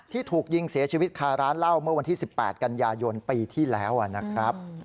ถูกยิงเสียชีวิตคาร้านเหล้าเมื่อวันที่๑๘กันยายนปีที่แล้วนะครับ